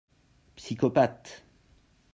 Psychopathe